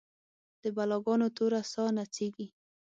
د بلا ګانو توره ساه نڅیږې